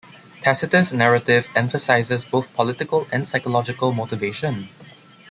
Tacitus' narrative emphasizes both political and psychological motivation.